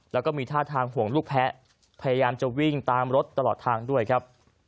แล้วก็มีท่าทางห่วงลูกแพ้พยายามจะวิ่งตามรถตลอดทางด้วยครับ